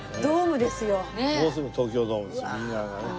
もうすぐ東京ドームです右側がね。